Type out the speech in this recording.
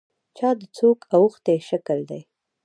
چا د څوک اوښتي شکل دی.